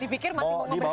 dipikir masih mau keberanian